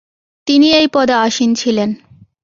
তিনি এই পদে আসীন ছিলেন।